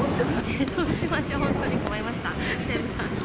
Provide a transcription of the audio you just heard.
どうしましょう、本当に困りました、西武さん。